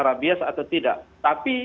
rabies atau tidak tapi